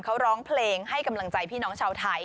เขาร้องเพลงให้กำลังใจพี่น้องชาวไทย